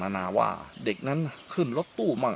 นานาว่าเด็กนั้นขึ้นรถตู้บ้าง